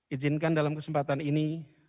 ijinkan dalam kesempatan ini